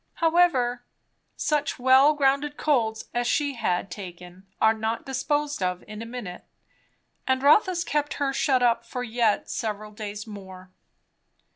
However, such well grounded colds as she had taken are not disposed of in a minute; and Rotha's kept her shut up for yet several days more.